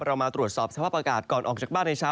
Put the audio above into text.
มาตรวจสอบสภาพอากาศก่อนออกจากบ้านในเช้า